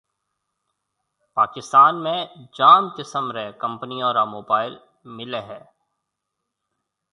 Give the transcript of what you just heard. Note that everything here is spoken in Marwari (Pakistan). پاڪستان ۾ جام قسم رَي ڪمپنيون را موبائل مليَ ھيََََ